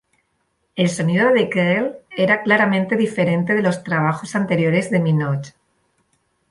El sonido de "Girl" era claramente diferente de los trabajos anteriores de Minogue.